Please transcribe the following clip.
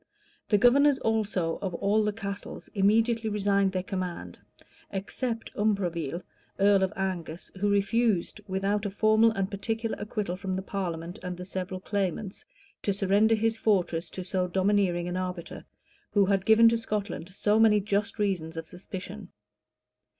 [] The governors also of all the castles immediately resigned their command; except Umfreville, earl of Angus, who refused, without a formal and particular acquittal from the parliament and the several claimants, to surrender his fortresses to so domineering an arbiter, who had given to Scotland so many just reasons of suspicion.